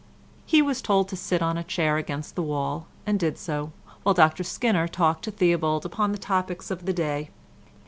He was told to sit on a chair against the wall and did so, while Dr Skinner talked to Theobald upon the topics of the day.